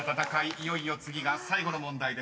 いよいよ次が最後の問題です］